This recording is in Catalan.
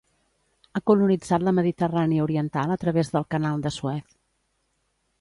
Ha colonitzat la Mediterrània oriental a través del Canal de Suez.